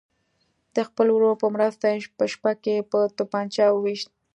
د خپل ورور په مرسته یې په شپه کې په توپنچه ویشت.